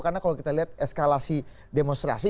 karena kalau kita lihat eskalasi demonstrasi